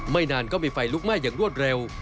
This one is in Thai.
นานก็มีไฟลุกไหม้อย่างรวดเร็ว